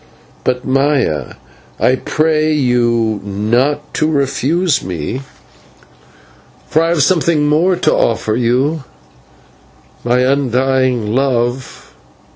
"But, Maya, I pray you not to refuse me, for I have something more to offer you my undying love.